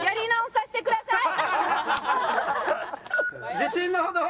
自信のほどは？